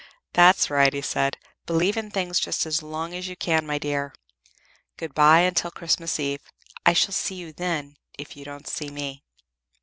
"That's right," he said. "Believe in things just as long as you can, my dear. Good bye until Christmas Eve. I shall see you then, if you don't see me."